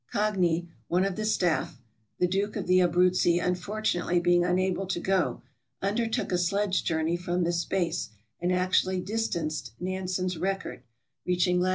Cagni, one of the staff — the Duke of the Abruzzi unfortunately being unable to go — undertook a sledge journey from this base, and actually distanced Nansen's record, reaching lat.